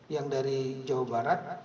yang dari jawa barat